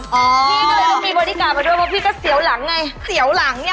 พี่ก็เลยต้องมีบริการมาด้วยเพราะพี่ก็เสียวหลังไงเสียวหลังเนี่ย